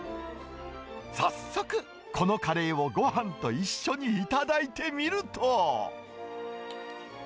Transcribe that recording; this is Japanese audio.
早速、このカレーをごはんと一緒に頂いてみると。